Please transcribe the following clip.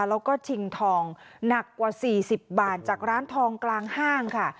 แล้วก็ชิงทองหนักกว่า๔๐บาทจากร้านทองกลางห้างค่ะ